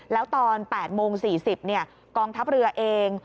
แล้วตอน๘โมง๔๐กองทัพเรือเอง